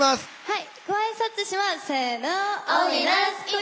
はい。